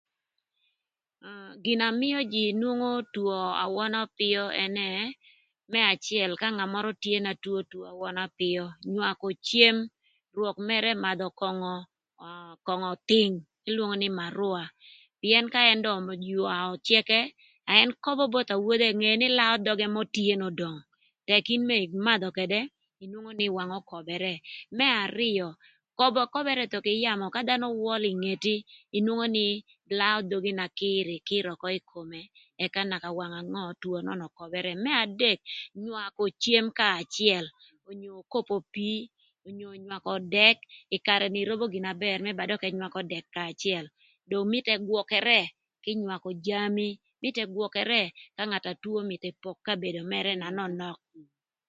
Gina mïö jïï nwongo two awöna öpïö ënë më acël ka ngat mörö tye na two two awöna öpïö cem rwök mërë madhö köngö köngö thïng n'elwongo nï marüa pïën ka dong öywaö ëcëkë na ën köbö both awodhe ni nge nï laö dhögë mö tye n'odong. Tëkï in bede ïmadhö ködë nwongo dong ököbërë. Më arïö köbërë thon kï yamö ka dhanö öwölö ï ngeti inwongo nï laö dhogi na kïr, kïr ökö ï komi ëka naka wang ngö two nön ököbërë ï komi. Më adek jwakö cem kanya acël onyo okopo pii onyo jwakö dëk ï karë ni robo gin na bër ba dökï ëywakö dëk kanya acël. Dong mïtö ëgwökërë kï jwakö jami, mïtö ëgwökërë ka ngat atwo mïtö epok kabedo mërë na nönök.